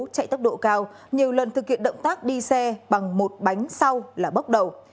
chạy tốc độ cao nhiều lần thực hiện động tác đi xe bằng một bánh sau là bốc đầu